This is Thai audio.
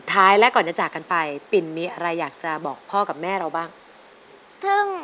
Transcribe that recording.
แต่ไม่เป็นไรแต่ไม่เป็นไรเนอะ